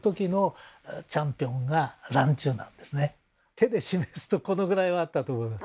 手で示すとこのぐらいはあったと思います。